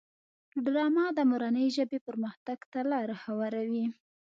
ډرامه د مورنۍ ژبې پرمختګ ته لاره هواروي